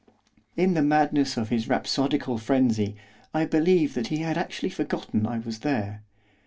In the madness of his rhapsodical frenzy I believe that he had actually forgotten I was there.